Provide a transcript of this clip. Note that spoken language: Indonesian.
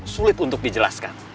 sulit untuk dijelaskan